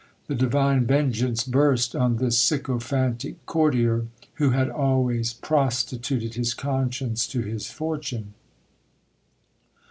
The divine vengeance burst on this sycophantic courtier, who had always prostituted his conscience to his fortune."